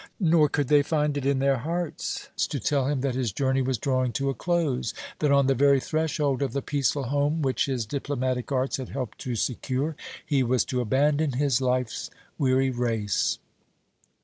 Nor could they find it in their hearts to tell him that his journey was drawing to a close, and that on the very threshold of the peaceful home which his diplomatic arts had helped to secure, he was to abandon life's weary race.